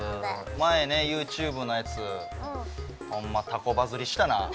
前ねＹｏｕＴｕｂｅのやつホンマタコバズりしたな。